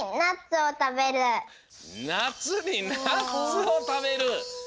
「なつにナッツをたべる」。